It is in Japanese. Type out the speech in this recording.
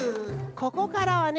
ここからはね